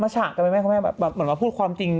มาฉากกันไหมแม่เขาแม่แบบมาพูดความจริง